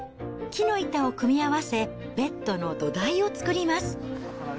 木の板を組み合わせ、ベッドの土台を作ります。